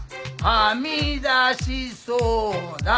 はみ出しそうだ？